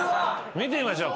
見てみましょう。